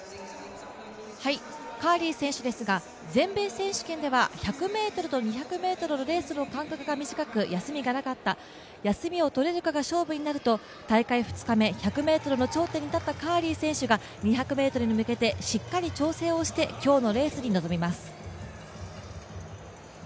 カーリー選手ですが全米選手権では１００ｍと２００ｍのレースの間隔が短く、休みがなかった、休みを取れるかが勝負になると大会２日目、１００ｍの頂点に立ったカーリー選手が２００ｍに向けてしっかり調整して、今日のレースに臨みます。